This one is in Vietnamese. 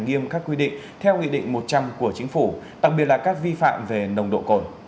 nghiêm các quy định theo nghị định một trăm linh của chính phủ đặc biệt là các vi phạm về nồng độ cồn